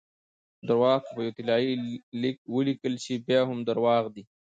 درواغ که په یو طلايي لیک ولیکل سي؛ بیا هم درواغ دي!